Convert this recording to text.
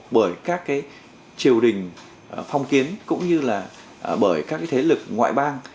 bởi các triều đình phong kiến cũng như là bởi các thế lực ngoại bang